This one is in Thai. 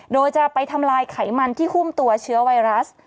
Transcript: โดยจะไปทำลายไขมันที่หุ้มตัวเชื้อไวรัส